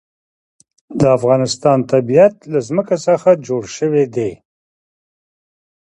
د افغانستان طبیعت له ځمکه څخه جوړ شوی دی.